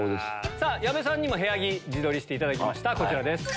さぁ矢部さんにも部屋着自撮りしていただきました。